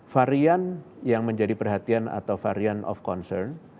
varian yang menjadi perhatian atau varian of concern